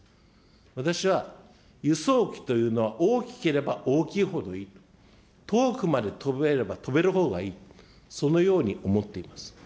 私は輸送機というのは大きければ大きいほどいい、遠くまで飛べれば飛べるほうがいい、そのようにおもっています。